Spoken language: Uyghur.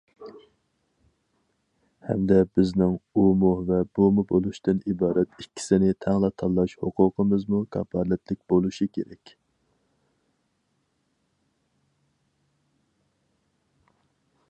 ھەمدە بىزنىڭ ئۇمۇ ۋە بۇمۇ بولۇشتىن ئىبارەت ئىككىسىنى تەڭلا تاللاش ھوقۇقىمىزمۇ كاپالەتلىك بولۇشى كېرەك.